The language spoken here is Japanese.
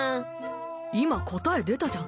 今答え出たじゃん。